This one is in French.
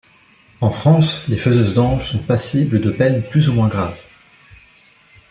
En France, les faiseuses d'anges sont passibles de peines plus ou moins graves.